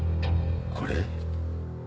これ？